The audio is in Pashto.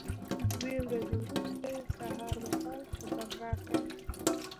دوې ورځې وروسته یې سهار مهال خبر را کړ.